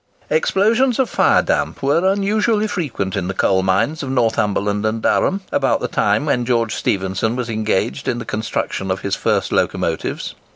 Explosions of fire damp were unusually frequent in the coal mines of Northumberland and Durham about the time when George Stephenson was engaged in the construction of his first locomotives.